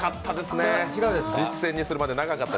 実践にするまで長かった。